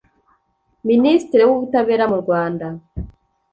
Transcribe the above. Ministre w’Ubutabera mu Rwanda